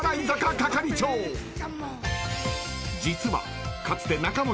［実は］